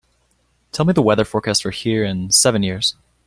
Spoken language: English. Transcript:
Tell me the weather forecast for here in seven years